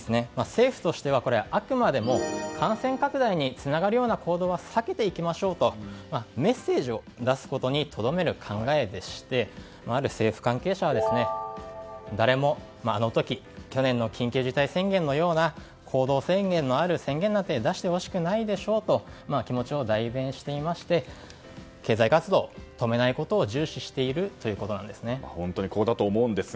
政府としては、あくまでも感染拡大につながるような行動は避けようというメッセージにとどめる考えでして、ある政府関係者は誰も、あの時去年の緊急事態宣言のような行動制限のある宣言なんて出してほしくないでしょうと気持ちを代弁していまして経済活動を止めないことを重視しているということなんです。